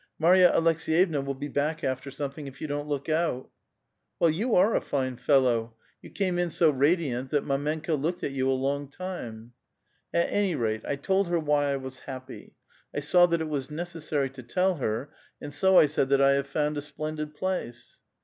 Marya Aleks^yevna will be back after soiuetliing if you don't look out." ^' Well, vou are a fiue fellow! Yon came in so radiant that mdintnka looked at you a long time." At any rate, 1 told her why I was happy ; I saw that it was necessary to tell her, and so 1 said that I have found a splendid place."